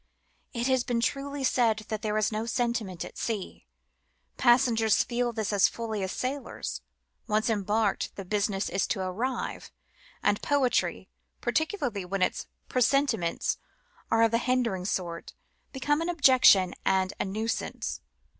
It has been truly said that there is no sentiment at sea. Passengers feel this as fully as sailors. Once embarked the business is to arrive, and poetry, par ticularly when its presentments are of a hindering sort, becomes an objection and a nuisance.